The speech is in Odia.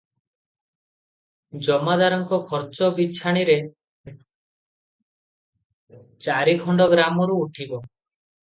ଜମାଦାରଙ୍କ ଖର୍ଚ୍ଚ ବିଛାଣିରେ ଚାରିଖଣ୍ଡ ଗ୍ରାମରୁ ଉଠିବ ।